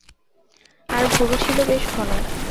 আর ভুরু ছিল বেশ ঘন।